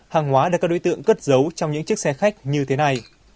hàng hóa đã có đối tượng cất giấu trong những chiếc xe khách như thế này